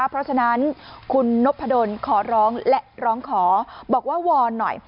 เพราะฉะนั้นคุณนพดลขอร้องและร้องขอบอกว่าวอนหน่อย